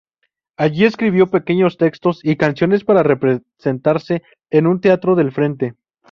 Allí escribió pequeños textos y canciones para representarse en un teatro del frente.